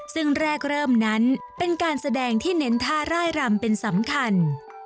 ซึ่งแรกเริ่มนั้นเป็นการแสดงที่เน้นท่าร่ายรำเป็นสำคัญ